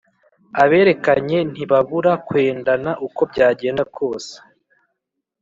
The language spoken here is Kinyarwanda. Aberekeranye ntibabura kwendana uko byagenda kose